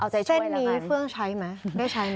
เส้นนี้เว่งได้ใช้มั้ย